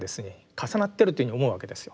重なってるというふうに思うわけですよ。